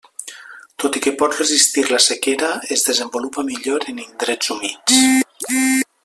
Tot i que pot resistir la sequera, es desenvolupa millor en indrets humits.